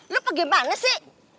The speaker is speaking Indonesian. lu pergi mana sih